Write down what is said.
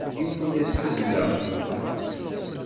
Yiwen ur as-selleɣ.